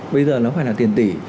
bây giờ nó phải là tiền tỷ